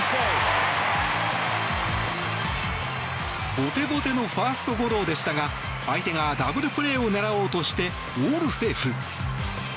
ボテボテのファーストゴロでしたが相手がダブルプレーを狙おうとしてオールセーフ。